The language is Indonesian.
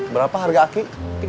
berapa harga aki